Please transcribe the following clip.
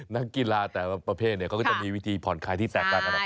นักกีฬาแต่ประเภทก็จะมีวิธีพอนคายที่แตกต่างกันถังไป